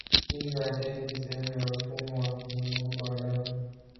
Hivyo ateri ni sehemu ya mfumo wa mzunguko wa damu.